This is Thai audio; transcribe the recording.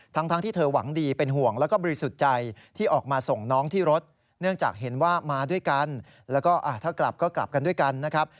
ทั้งที่เธอหวังดีเป็นห่วงแล้วก็บริสุทธิ์ใจที่ออกมาส่งน้องที่รถเนื่องจากเห็นว่ามาด้วยกันแล้วก็ถ้ากลับก็กลับกันด้วยกันนะครับ